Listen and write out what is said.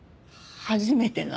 初めての味。